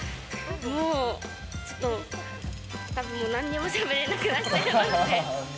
もう、ちょっと、たぶん、なんにもしゃべれなくなっちゃいますね。